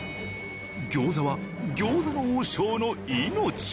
餃子は餃子の王将の命！